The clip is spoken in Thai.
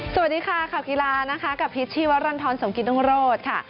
สวัสดีค่ะขับกีฬากับพีชชีวะรันทรสมกิตตรงโรศค่ะ